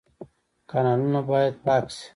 کانالونه باید پاک شي